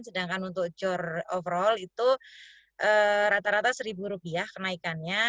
sedangkan untuk jor overall itu rata rata rp satu kenaikannya